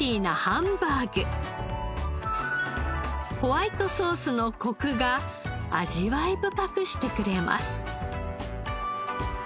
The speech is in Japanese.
ホワイトソースのコクが味わい深くしてくれます。